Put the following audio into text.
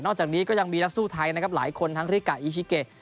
จากนี้ก็ยังมีนักสู้ไทยนะครับหลายคนทั้งริกะอิชิเกะ